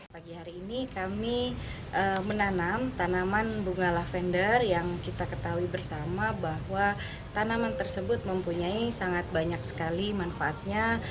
pagi hari ini kami menanam tanaman bunga lavender yang kita ketahui bersama bahwa tanaman tersebut mempunyai sangat banyak sekali manfaatnya